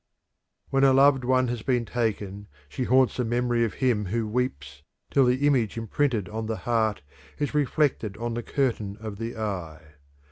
When a loved one has been taken she haunts the memory of him who weeps till the image imprinted on the heart is reflected on the curtain of the eye.